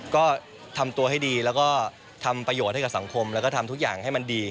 ก็ทำตัวให้ดีแล้วก็ทำประโยชน์ให้กับสังคมแล้วก็ทำทุกอย่างให้มันดี